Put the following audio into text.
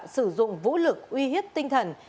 sử dụng vũ lực uy hiếp tinh thần